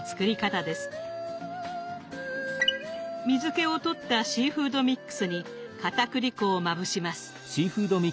水けを取ったシーフードミックスにかたくり粉をまぶします。